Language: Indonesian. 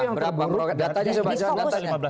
datanya bisa kita baca